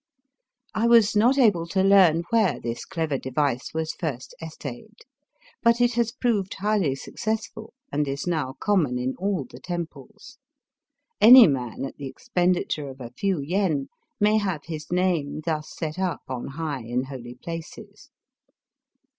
I was not able to learn where this clever device was first essayed; but it has proved highly successful and is now common in all the temples. Any man at the expendi ture of a few yen may have his name thus set up on high in holy places.